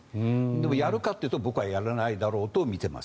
でもやるかというと僕はやらないだろうと見ています。